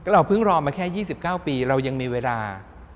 เราเพิ่งรอมาแค่๒๙ปีเรายังมีเวลา